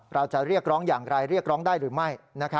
เราจะเรียกร้องอย่างไรเรียกร้องได้หรือไม่